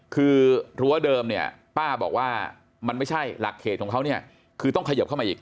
คือรั้วเดิมเนี่ยป้าบอกว่ามันไม่ใช่หลักเขตของเขาเนี่ยคือต้องเขยิบเข้ามาอีก